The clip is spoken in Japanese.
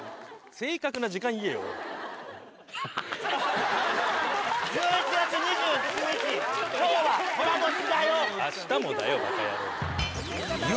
正確な時間言えよ。